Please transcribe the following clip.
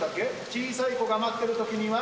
小さい子が待ってるときには？